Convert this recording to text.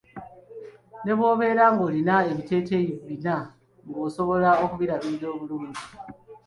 Ne bwobeera nga olina ebiteteeyi bina nga osobola okubirabirira obulungi.